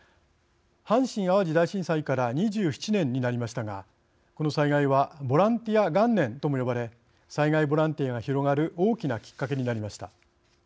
阪神・淡路大震災から２７年になりましたがこの災害はボランティア元年とも呼ばれ災害ボランティアが広がる大きなきっかけになりました。